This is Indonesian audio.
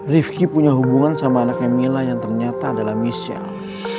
rifki punya hubungan sama anaknya mila yang ternyata adalah michelle